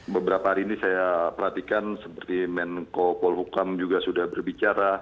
beberapa hari ini saya perhatikan seperti menko polhukam juga sudah berbicara